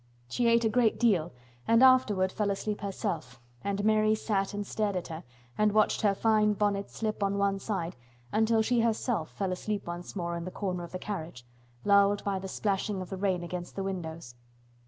She ate a great deal and afterward fell asleep herself, and Mary sat and stared at her and watched her fine bonnet slip on one side until she herself fell asleep once more in the corner of the carriage, lulled by the splashing of the rain against the windows.